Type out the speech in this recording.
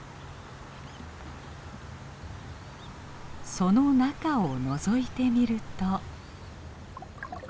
その中をのぞいてみると。